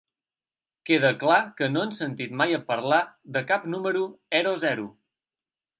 Queda clar que no han sentit mai a parlar de cap número ero zero.